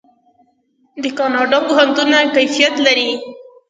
د کاناډا پوهنتونونه کیفیت لري.